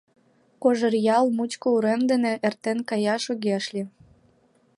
Кожеръял мучко урем дене эртен каяш огеш лий.